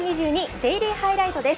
デイリーハイライト」です。